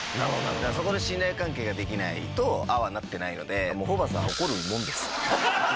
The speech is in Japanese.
そこで信頼関係ができないと、ああはなってないので、ホーバスさんは怒るものです。